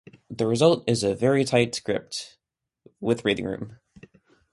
The result is a very tight script with breathing room.